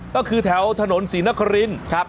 ก็คือแถวถนนศรีนครินครับ